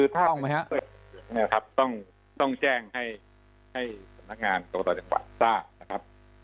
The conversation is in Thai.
ต้องแจ้งให้สำนักงานเกาะต่อจังหวัดทราบ